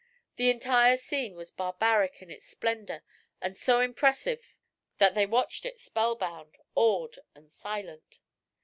The entire scene was barbaric in its splendor and so impressive that they watched it spellbound, awed and silent.